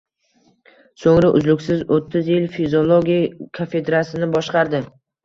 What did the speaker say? So‘ngra uzluksiz o‘ttiz yil fiziologiya kafedrasini boshqardi